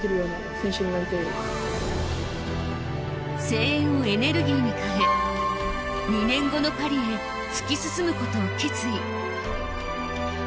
声援をエネルギーに変え２年後のパリへ突き進むことを決意。